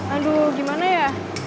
aduh gimana ya